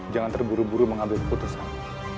jangan terburu buru mengambil keputusan